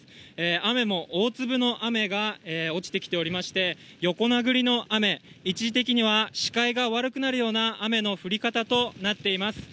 雨も大粒の雨が落ちてきておりまして、横殴りの雨、一時的には、視界が悪くなるような雨の降り方となっています。